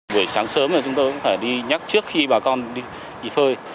buổi sáng sớm thì chúng tôi cũng phải đi nhắc trước khi bà con đi phơi